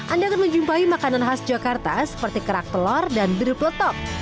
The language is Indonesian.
anda akan menjumpai makanan khas jakarta seperti kerak telur dan biru peletok